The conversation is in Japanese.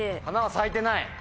花は咲いてない？